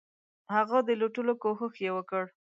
هغه د لوټلو کوښښ یې وکړ.